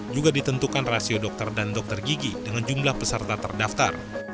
juga ditentukan rasio dokter dan dokter gigi dengan jumlah peserta terdaftar